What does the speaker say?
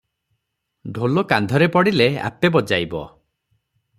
ଢୋଲ କାନ୍ଧରେ ପଡିଲେ ଆପେ ବଜାଇବ ।"